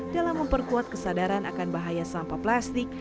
dalam memperkuat kesadaran akan bahaya sampah plastik